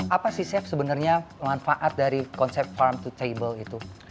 apa sih chef sebenarnya manfaat dari konsep farm to table itu